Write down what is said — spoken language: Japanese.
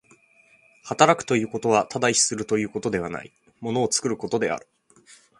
働くということはただ意志するということではない、物を作ることである。